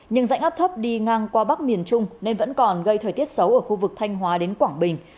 nhưng dạnh áp thấp đi ngang qua bắc miền trung nên vẫn còn gây thời tiết xấu ở khu vực thanh hóa đến quảng bình